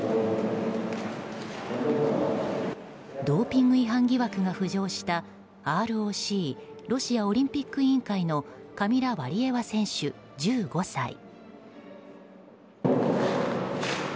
ドーピング違反疑惑が浮上したＲＯＣ・ロシアオリンピック委員会のカミラ・ワリエワ選手、１５歳。